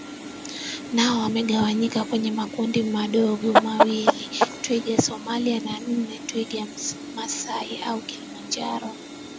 nao wamegawanyika kwenye makundi madogo mawili Twiga Somali na nne twiga Masai au Kilimanjaro